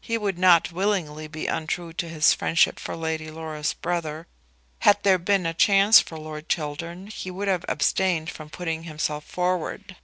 He would not willingly be untrue to his friendship for Lady Laura's brother. Had there been a chance for Lord Chiltern he would have abstained from putting himself forward.